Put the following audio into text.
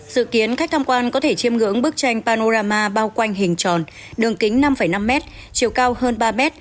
dự kiến khách tham quan có thể chiêm ngưỡng bức tranh panorama bao quanh hình tròn đường kính năm năm m chiều cao hơn ba m